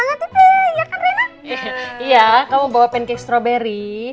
iya karena kamu bawa pancake strawberry